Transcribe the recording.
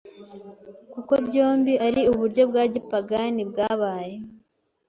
kuko byombi ari uburyo bwa gipagani bwabaye